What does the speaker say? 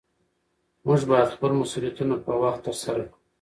موږ باید خپل مسؤلیتونه په وخت ترسره کړو